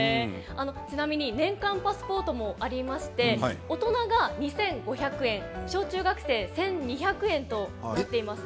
ちなみに年間パスポートもありまして大人が２５００円小中学生１２００円となっています。